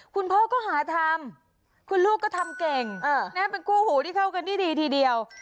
คุณพ่อก็หาทำคุณลูกก็ทำเก่งเป็นคู่หูที่เข้ากันได้ดีทีเดียว